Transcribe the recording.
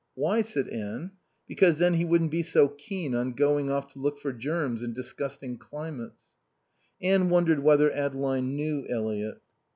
"Why?" said Anne. "Because then he wouldn't be so keen on going off to look for germs in disgusting climates." Anne wondered whether Adeline knew Eliot.